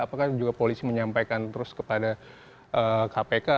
apakah juga polisi menyampaikan terus kepada kpk ataupun si korban